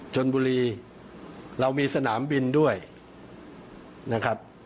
ชนบุรีเรามีสนามบินด้วยนะครับ